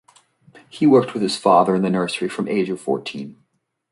He worked with his father in the nursery from age of fourteen.